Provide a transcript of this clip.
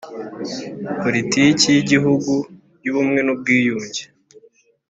Politiki y igihugu y ubumwe n ubwiyunge